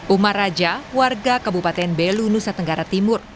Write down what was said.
umar raja warga kabupaten belu nusa tenggara timur